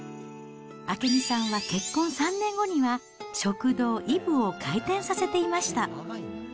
明美さんは結婚３年後には、食堂いぶを開店させていました。